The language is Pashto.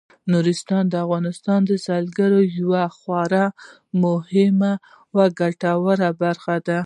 نورستان د افغانستان د سیلګرۍ یوه خورا مهمه او ګټوره برخه ده.